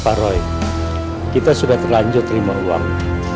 pak roy kita sudah terlanjur terima uang